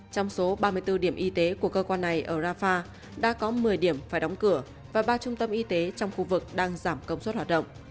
trong số ba mươi bốn điểm y tế của cơ quan này ở rafah đã có một mươi điểm phải đóng cửa và ba trung tâm y tế trong khu vực đang giảm công suất hoạt động